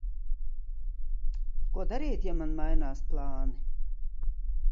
Ko darīt, ja man mainās plāni?